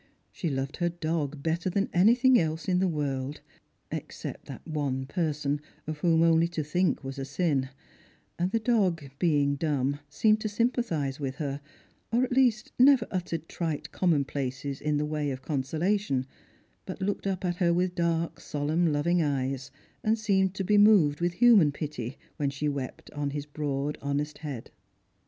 She loved her dog better than anything else in the world — except that one person of whom only to think was a sin — and the dog, being dumb, seemed to sympathise with her, or at least never uttered trite commonplaces in the way of consola tion, but looked up at her with dark solemn loving eyes, and seemed to be moved with human pity, when she wept upon hig broad honest head.